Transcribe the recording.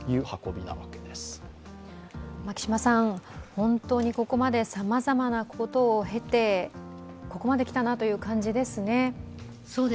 本当にここまでさまざまなことを経てここまできたなという感じですね。